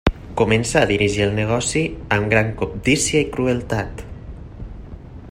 Comença a dirigir el negoci amb gran cobdícia i crueltat.